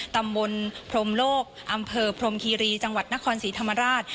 ตำบลพรมโลกอำเภอพรมคีรีจังหวัดนครศรีธรรมราช